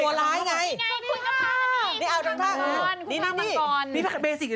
เอ้าตัวร้ายไง